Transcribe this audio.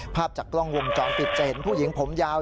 ภาพจากกล้องวงจรปิดจะเห็นผู้หญิงผมยาว